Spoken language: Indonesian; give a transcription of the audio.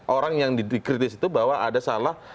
orang yang dikritis itu bahwa ada salah